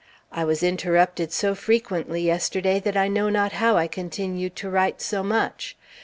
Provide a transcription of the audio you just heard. I was interrupted so frequently yesterday that I know not how I continued to write so much.